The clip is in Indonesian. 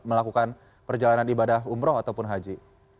melakukan perjalanan ibadah umroh ataupun haji